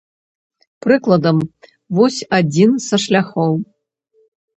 Прыкладам, вось адзін са шляхоў.